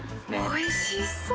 おいしそう！